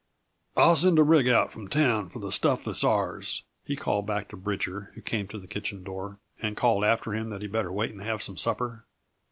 "I'll send a rig out from town for the stuff that's ours," he called back to Bridger, who came to the kitchen door and called after him that he better wait and have some supper.